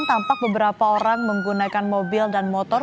tampak beberapa orang menggunakan mobil dan motor